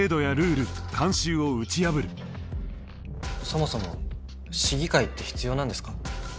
そもそも市議会って必要なんですか？